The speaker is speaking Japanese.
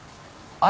あ。